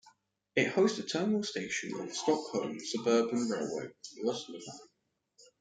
It hosts the terminal station of the Stockholm suburban railway Roslagsbanan.